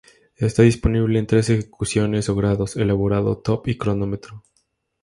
Está disponible en tres ejecuciones o grados: Elaborado, Top y cronómetro.